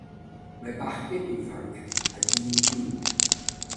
Mae bachgen ifanc a dyn hŷn yn defnyddio dril ar ryw fath o wrthrych.